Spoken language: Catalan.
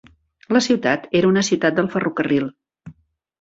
La ciutat era una ciutat del ferrocarril.